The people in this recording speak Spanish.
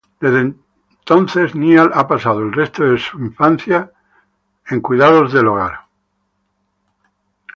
Desde entonces Niall ha pasado el resto de su infancia cuidados del hogar.